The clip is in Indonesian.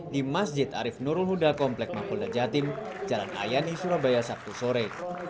di masjid arief nurul huda komplek mapolda jatim jalan ayani surabaya sabtu sore